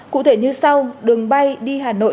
cụ thể như sau đường bay đi hà nội